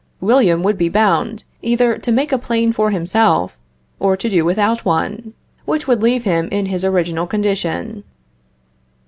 William would be bound either to make a plane for himself, or to do without one, which would leave him in his original condition.